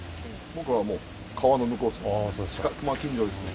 僕はもう川の向こうですね。